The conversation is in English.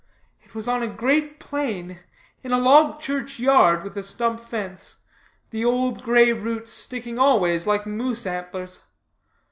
It was on a great plain, in a log church yard with a stump fence, the old gray roots sticking all ways like moose antlers.